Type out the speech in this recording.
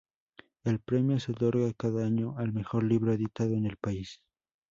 El premio se otorga cada año al mejor libro editado en el país.